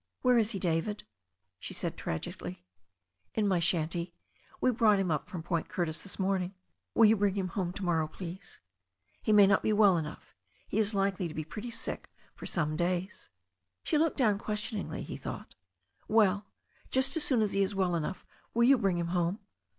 "Where is he, David?" she asked tragically. "I» my shanty. We brought him up from Point Curtis this morning." "You will bring him home to morrow, please." "He may not be well enough. He is likely to be pretty sick for some days." She looked down questioningly, he thought "Well, just as soon as he is well enough, will you bring him home?"